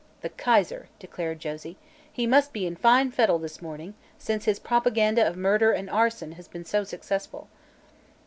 "The Kaiser," declared Josie. "He must be in fine fettle this morning, since his propaganda of murder and arson has been so successful."